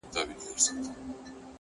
پوه انسان د پوښتنې ارزښت درک کوي.!